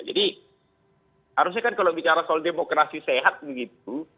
jadi harusnya kan kalau bicara soal demokrasi sehat begitu